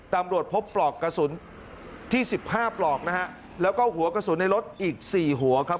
ตำรวจพบปลอกกระสุนที่สิบห้าปลอกนะฮะแล้วก็หัวกระสุนในรถอีก๔หัวครับ